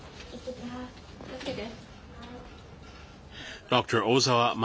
気をつけて。